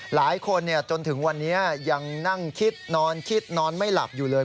หลายคนจนถึงวันนี้ยังนั่งคิดนอนคิดนอนไม่หลับอยู่เลย